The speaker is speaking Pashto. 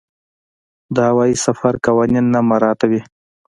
د هوايي سفر قوانین نه مراعاتوي.